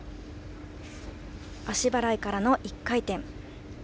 足払いからの１回転。